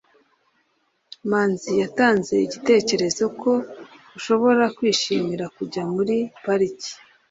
manzi yatanze igitekerezo ko ushobora kwishimira kujya muri pariki